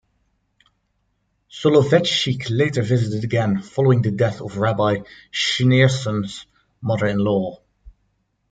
Soloveitchik later visited again following the death of Rabbi Schneerson's mother-in-law.